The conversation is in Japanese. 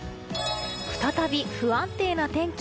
再び不安定な天気。